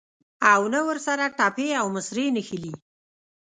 او نه ورسره ټپې او مصرۍ نښلي.